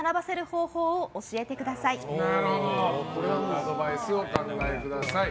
アドバイスをお考えください。